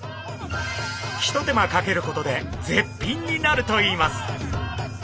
ひと手間かけることで絶品になるといいます！